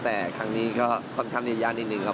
แต่ครั้งนี้ก็ค่อนข้างเยอะนิดนึงครับ